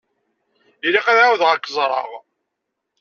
Ilaq ad εawdeɣ ad k-ẓreɣ.